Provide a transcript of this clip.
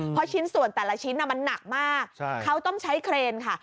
เพราะชิ้นส่วนแต่ละชิ้นมันหนักมากเขาต้องใช้เครนค่ะ